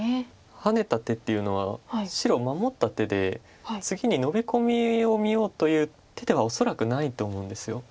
ハネた手っていうのは白守った手で次にノビコミを見ようという手では恐らくないと思うんです。